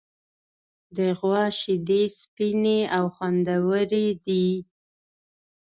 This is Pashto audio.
د غوا شیدې سپینې او خوندورې دي.